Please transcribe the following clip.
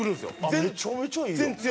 めちゃめちゃいいやん。